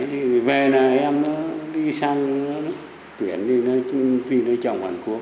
thế thì về là em đi sang tuyển đi lấy chồng hàn quốc